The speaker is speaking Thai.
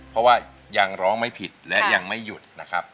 เพราะว่ายังร้องไม่ผิดและยังไม่หยุดนะครับ